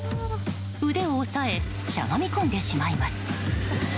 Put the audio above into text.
腕を押さえしゃがみ込んでしまいます。